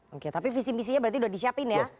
oke tapi visi misinya berarti sudah disiapin ya